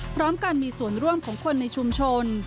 พร้อมการมีส่วนร่วมของคนในชุมชน